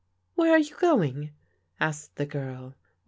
Where are you going?" asked the girl.